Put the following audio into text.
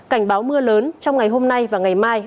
cảnh báo mưa lớn trong ngày hôm nay và ngày mai